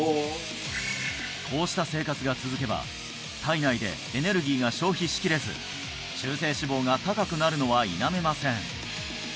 こうした生活が続けば体内でエネルギーが消費しきれず中性脂肪が高くなるのは否めません